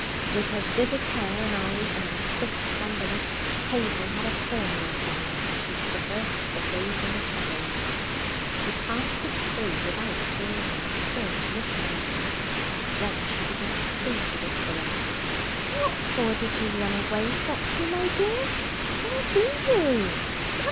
With her vivid hair and eyes and her swift slenderness, Hazel had a fawn like air as she traversed the wavering shadows. She passed his tree without seeing him, and stood listening. Then she began to plead with the truant. 'What for did you run away, Foxy, my dear? Where be you?